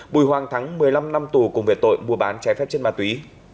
bùi hoàng thắng một mươi năm năm tù cùng về tội mua bán trái phép chất ma túy